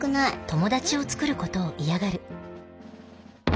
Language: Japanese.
友達を作ることを嫌がる